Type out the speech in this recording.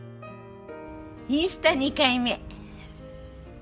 インスタ２回目。